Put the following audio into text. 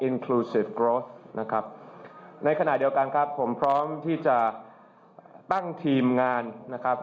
ในขณะเดียวกันครับผมพร้อมที่จะตั้งทีมงานนะครับ